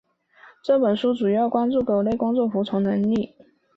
这本书主要关注狗类工作服从能力。